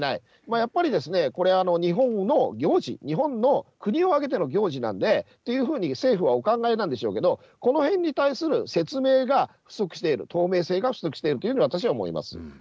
やっぱりですね、これ、日本の行事、日本の国を挙げての行事なんでというふうに政府はお考えなんでしょうけど、このへんに対する説明が不足している、透明性が不足しているというふうに私は思います。